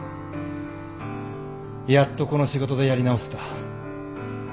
やっとこの仕事でやり直せた。